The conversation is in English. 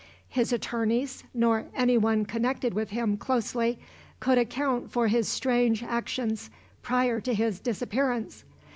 His attorneys, nor anyone connected with him closely, could account for his strange actions prior to his disappearance.